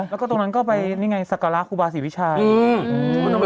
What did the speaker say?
แล้วก็ตรงนั้นก็ไปนี่ไงสักกาลาฮฟูบาสิทธิ์วิชัยอืม